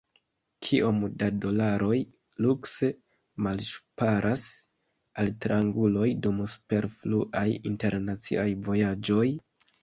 Kiom da dolaroj lukse malŝparas altranguloj dum superfluaj internaciaj vojaĝoj?